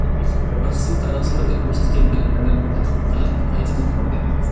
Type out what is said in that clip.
بىر قىسىم تارىخچىلار ئۆتمۈشتىكى بىلىملەرنى تەتقىق قىلىپ قايتىدىن قۇردى.